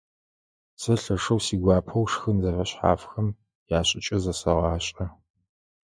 Сэ лъэшэу сигуапэу шхын зэфэшъхьафхэм яшӀыкӀэ зэсэгъашӀэ.